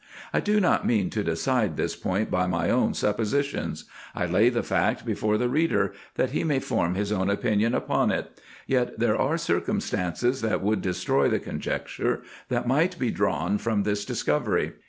I do not mean to decide this point by my own suppositions : I lay the fact before the reader, that he may form his own opinion upon it ; yet there are circum stances that would destroy the conjecture, that might be drawn from this discovery.